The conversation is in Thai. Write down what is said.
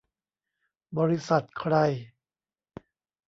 บริษัทใคร ?